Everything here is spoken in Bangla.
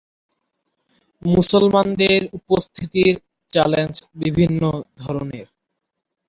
মুসলমানদের উপস্থিতির চ্যালেঞ্জ বিভিন্ন ধরণের।